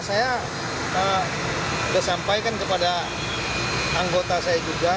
saya sudah sampaikan kepada anggota saya juga